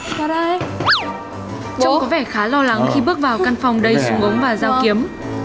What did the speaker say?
trông có vẻ khá lo lắng khi bước vào căn phòng đầy súng ống và dao kiếm